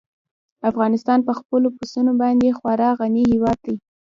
افغانستان په خپلو پسونو باندې خورا غني هېواد دی.